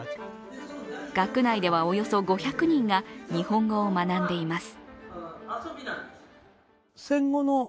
学内では、およそ５００人が日本語を学んでいます。